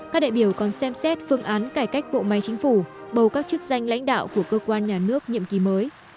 các đại biểu còn xem xét phương án cải cách bộ máy chính phủ bầu các chức danh lãnh đạo của cơ quan nhà nước nhiệm kỳ mới